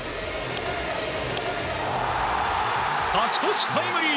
勝ち越しタイムリー！